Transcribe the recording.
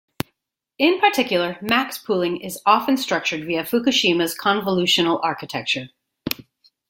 In particular, max-pooling is often structured via Fukushima's convolutional architecture.